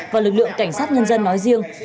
và lực lượng cảnh sát nhân dân nói riêng